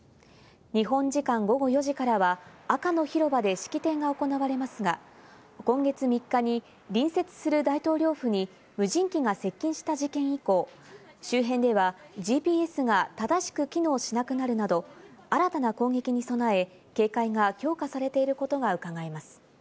日本時間午後４時からは赤の広場で式典が行われますが、今月３日に隣接する大統領府に無人機が接近した事件以降、周辺ではＧＰＳが正しく機能しなくなるなど、新たな攻撃に備え、警戒が強化されていることがうかがえます。